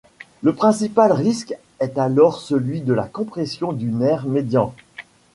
Le principal risque est alors celui de la compression du nerf médian.